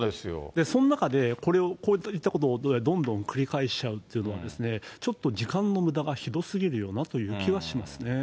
その中でこれを、こういったことをどんどん繰り返しちゃうというのはちょっと時間のむだがひどすぎるよなという気はしますよね。